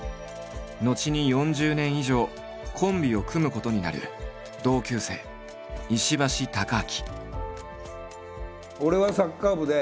後に４０年以上コンビを組むことになる同級生石橋貴明。